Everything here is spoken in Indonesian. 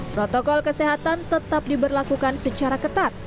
protokol kesehatan tetap diberlakukan secara ketat